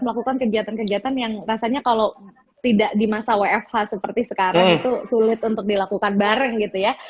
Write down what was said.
melakukan kegiatan kegiatan yang rasanya kalau tidak di masa wfh seperti sekarang itu sulit untuk dilakukan bareng gitu ya